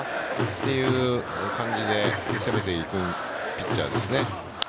そういう感じで攻めていくピッチャーですね。